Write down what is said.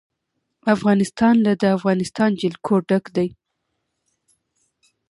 افغانستان له د افغانستان جلکو ډک دی.